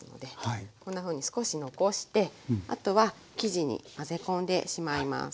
こんなふうに少し残してあとは生地に混ぜ込んでしまいます。